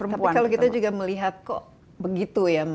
tapi kalau kita juga melihat kok begitu ya